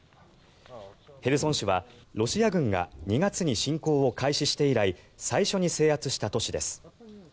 ヘルソン市はロシア軍が２月に侵攻を開始して以来最初に制圧した都市です。